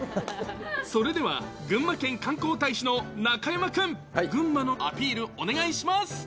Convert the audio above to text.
それでは、群馬県観光大使の中山君、群馬のアピール、お願いします。